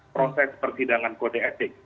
proses persidangan kode etik